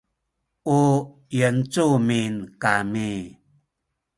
u yuancumin kami